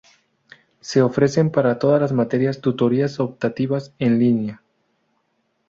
Se ofrecen para todas las materias tutorías optativas en línea.